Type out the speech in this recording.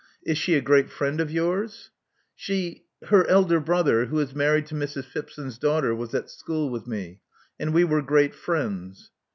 Is she a great friend of yours?" She — Her elder brother, who is married to Mrs. Phipson's daughter, was at school with me; and we were great friends."